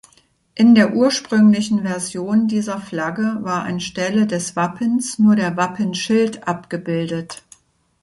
In der ursprünglichen Version dieser Flagge war anstelle des Wappens nur der Wappenschild abgebildet.